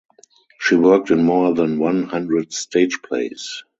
She worked in more than one hundred stage plays.